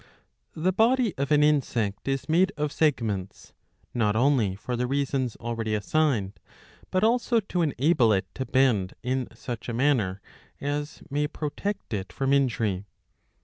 682b. io8 iv. 6. The body of an insect is made of segments, npt only for the reasons already assigned, but also to enable it to bend in sucK a manner as may protect it from injury.